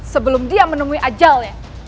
sebelum dia menemui ajalnya